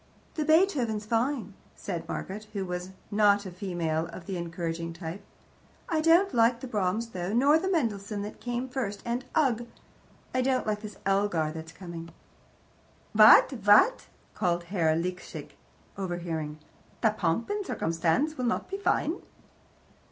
"The Beethoven's fine," said Margaret, who was not a female of the encouraging type. "I don't like the Brahms, though, nor the Mendelssohn that came first and ugh! I don't like this Elgar that's coming." "What, what?" called Herr Liesecke, overhearing. "The POMP AND CIRCUMSTANCE will not be fine?"